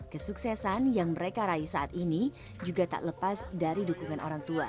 kesuksesan yang mereka raih saat ini juga tak lepas dari dukungan orang tua